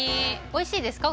おいしいですか？